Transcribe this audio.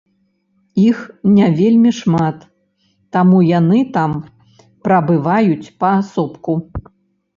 Іх не вельмі шмат, таму яны там прабываюць паасобку.